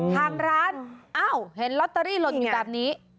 ทางร้านอ้าวเห็นลอตเตอรี่หล่นอยู่แบบนี้